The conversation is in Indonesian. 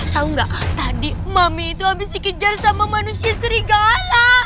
tahu nggak tadi mami itu habis dikejar sama manusia serigala